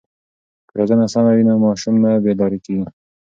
که روزنه سمه وي نو ماشوم نه بې لارې کېږي.